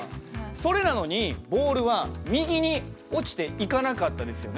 それなのにボールは右に落ちていかなかったですよね。